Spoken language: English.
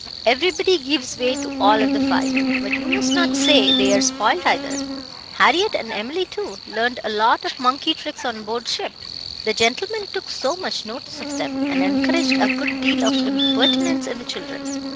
"Everybody gives way to all of the five but you must not say they are spoiled, either. Harriett and Emily, too, learned a lot of monkey tricks on board ship. The gentlemen took so much notice of them, and encouraged a good deal of impertinence in the children."